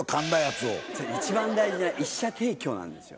一番大事な１社提供なんですよ。